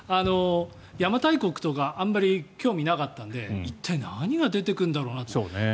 邪馬台国とかあんまり興味なかったので一体何が出てくるんだろうなと。